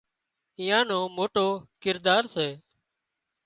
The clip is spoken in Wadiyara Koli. ايئان نو موٽو ڪردار سي